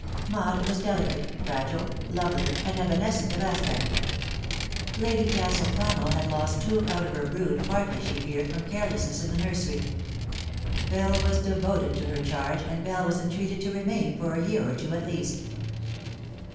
Maud was delicate, fragile, lovely, and evanescent of aspect. Lady Castle Connell had lost two out of her brood, partly, she feared, from careless ness in the nursery. Bell was devoted to her charge, and Bell was entreated to remain for a year or two at least.